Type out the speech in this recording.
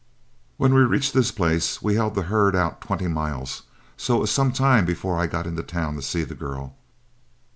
"When we reached this place, we held the herd out twenty miles, so it was some time before I got into town to see the girl.